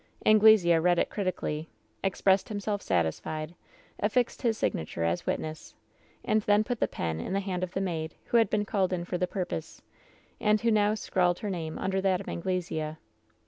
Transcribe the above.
"Anglesea read it critically, expressed himself satis fied, affixed his signature as witness, and then put the pen in the hand of the maid, who had been called in for the purpose, and who now scrawled her name under that of Anglesea.